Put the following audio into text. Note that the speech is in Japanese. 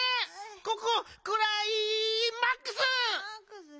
ここクライマックス！